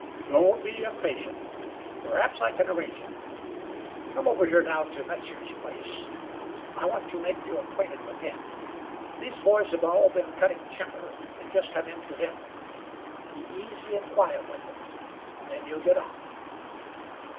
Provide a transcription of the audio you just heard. "Don't be impatient. Perhaps I can arrange it. Come over here now to Metzar's place. I want to make you acquainted with him. These boys have all been cutting timber; they've just come in for dinner. Be easy and quiet with them; then you'll get on."